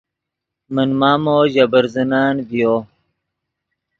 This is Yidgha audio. من مامو ژے برزنن ڤیو